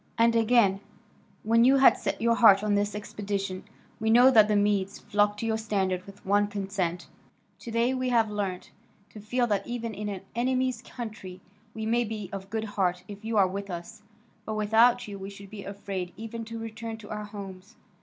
And again, when you had set your heart on this expedition, we know that the Medes flocked to your standard with one consent. To day we have learnt to feel that even in an enemy's country we may be of good heart if you are with us, but, without you, we should be afraid even to return to our homes.